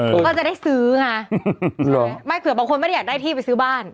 ก็จะได้ซื้อไงไม่เผื่อบางคนไม่ได้อยากได้ที่ไปซื้อบ้าน